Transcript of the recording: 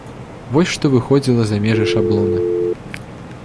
Вось што выходзіла за межы шаблона.